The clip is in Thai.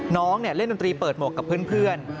น้องเล่นดนตรีเปิดหมวกกับเพื่อน